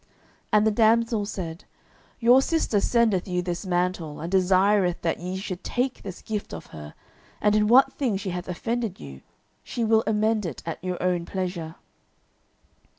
And the damsel said, "Your sister sendeth you this mantle, and desireth that ye should take this gift of her, and in what thing she hath offended you, she will amend it at your own pleasure."